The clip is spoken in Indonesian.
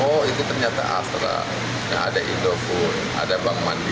oh itu ternyata astra ada indofood ada bank mandiri ada telkom mereka juga pertama tahu itu perusahaannya